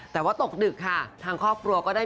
แต่ว่าตกดึกค่ะทางครอบครัวก็ได้